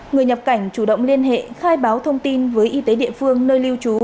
người nhập cảnh chủ động liên hệ khai báo thông tin với y tế địa phương nơi lưu trú